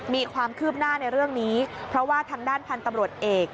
มีความคืบหน้าในเรื่องนี้เพราะว่าทางด้านพันธุ์ตำรวจเอก